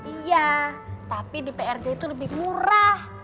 iya tapi di prj itu lebih murah